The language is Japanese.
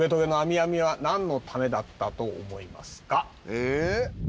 「えっ？」